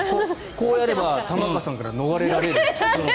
こうやれば玉川さんから逃れられるって。